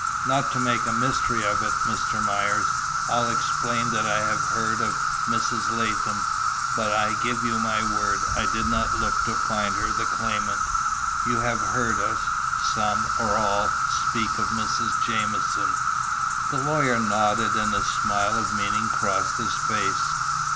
"Not to make a mystery of it, Mr. Myers, I'll explain that I have heard of Mrs. Latham. But, I give you my word, I did not look to find her the claimant. You have heard us, some, or all, speak of Mrs. Jamieson!" The lawyer nodded and a smile of meaning crossed his face.